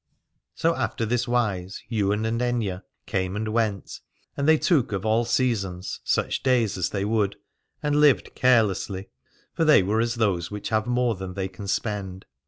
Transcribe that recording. So after this wise Ywain and Aithne came and went, and they took of all seasons such days as they would, and lived carelessly : for they were as those which have more than they can spend.